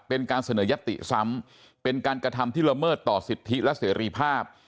เป็นการเสนอยัตติซ้ำเป็นการกระทำที่ละเมิดต่อสิทธิและเสรีภาพ